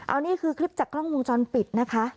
อันนี้คือคลิปจากกล้องวงจรปิดนะคะ